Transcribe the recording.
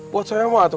buat saya mah tuh